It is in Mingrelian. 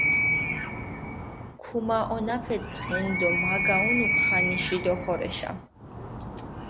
ქუმაჸონაფე ცხენი დო მა გაჸუნუქ ხანიში დოხორეშა.